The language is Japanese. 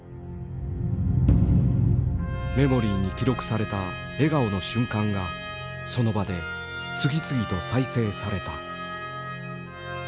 メモリーに記録された笑顔の瞬間がその場で次々と再生された。